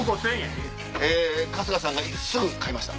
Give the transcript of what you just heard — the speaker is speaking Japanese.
春日さんがすぐ買いました。